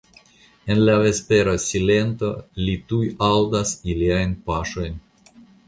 En la vespera silento li tuj aŭdas iliajn paŝojn.